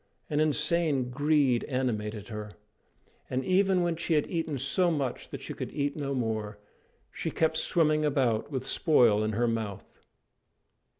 An insane greed animated her; and even when she had eaten so much that she could eat no more, she kept swimming about with spoil in her mouth.